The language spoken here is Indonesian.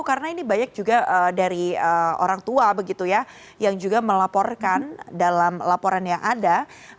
karena ini banyak juga dari orang tua begitu ya yang juga melaporkan dalam laporan yang ada